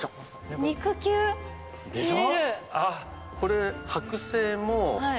でしょ？